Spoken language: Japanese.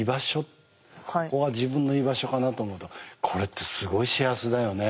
ここは自分の居場所かなと思うとこれってすごい幸せだよね。